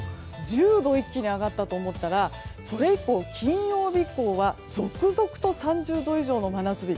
１０度、一気に上がったと思ったらそれ以降、金曜日以降は続々と３０度以上の真夏日。